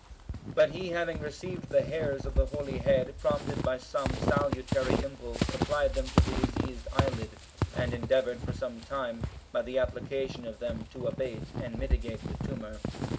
But he having received the hairs of the holy head, prompted by some salutary impulse, applied them to the diseased eyelid, and endeavoured for some time, by the application of them, to abate and mitigate the tumour.